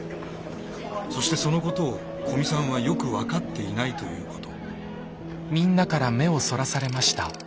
そしてそのことを古見さんはよく分かっていないということ。